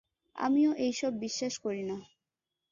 আমিও এই সব বিশ্বাস করি না।